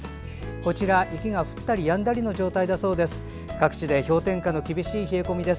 こちら雪が降ったりやんだりな状況だそうです。